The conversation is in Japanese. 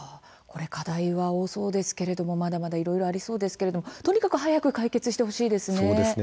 課題は多そうですけれどもまだまだいろいろありそうですけれども、とにかくそうですね。